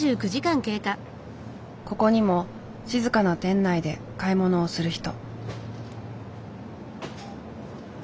ここにも静かな店内で買い物をする人。